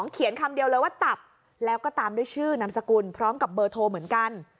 เขียนคำเดียวเลยว่าตับแล้วก็ตามด้วยชื่อนามสกุลพร้อมกับเบอร์โทรเหมือนกัน